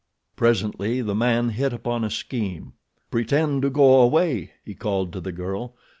Presently the man hit upon a scheme. "Pretend to go away," he called to the girl.